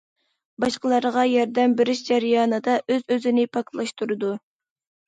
باشقىلارغا ياردەم بېرىش جەريانىدا ئۆز- ئۆزىنى پاكلاشتۇرىدۇ.